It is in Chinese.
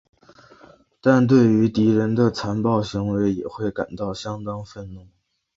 但对于敌人的残暴行为也会感到相当愤怒。